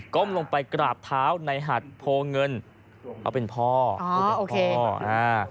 ก้มลงไปกราบเท้าในหัดโพงเงินเอาเป็นพ่ออ๋อโอเคอ่า